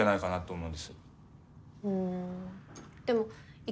うん。